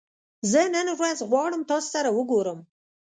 زه نن ورځ غواړم تاسې سره وګورم